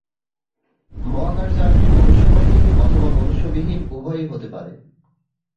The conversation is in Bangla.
মহাকাশযানটি মনুষ্যবাহী অথবা মনুষ্যবিহীন উভয়-ই হতে পারে।